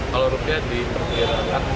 kalau rupiah diperbiarkan